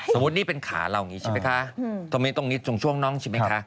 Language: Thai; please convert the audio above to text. นี่เป็นขาเราอย่างนี้ใช่ไหมคะตรงนี้ตรงนี้ตรงช่วงน้องใช่ไหมคะ